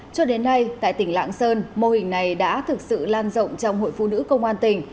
cho đến nay tại tỉnh lạng sơn mô hình này đã thực sự lan rộng trong hội phụ nữ công an tỉnh